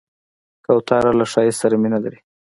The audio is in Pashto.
کوتره له ښایست سره مینه لري.